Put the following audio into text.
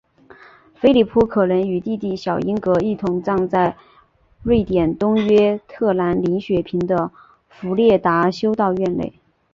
菲里普可能与弟弟小英格一同葬在瑞典东约特兰林雪坪的弗列达修道院内。